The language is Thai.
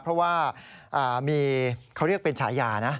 เพราะว่ามีเขาเรียกเป็นฉายานะ